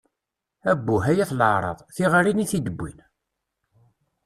Abbuh, ay at leεṛaḍ! Tiɣirin i t-id-bbwin!